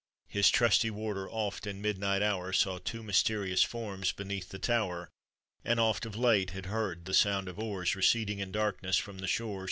His trusty warder oft in midnight hour Saw two mysterious forms beneath the tower, And oft of late had heard the sound of oars Receding in darkness from the shores.